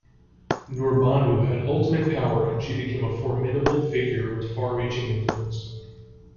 Nurbanu had ultimate power, and she became a formidable figure with far-reaching influence.